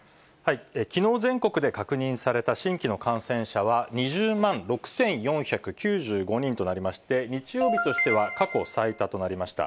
きのう、全国で確認された新規の感染者は、２０万６４９５人となりまして、日曜日としては過去最多となりました。